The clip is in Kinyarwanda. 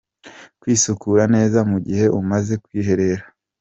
Kwisukura neza mu gihe umaze kwiherera.